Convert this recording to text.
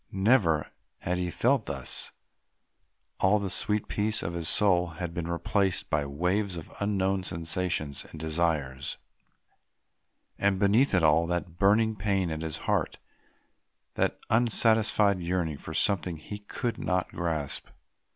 Never had he felt thus. All the sweet peace of his soul had been replaced by waves of unknown sensations and desires; and beneath it all, that burning pain at his heart, that unsatisfied yearning for something he could not grasp.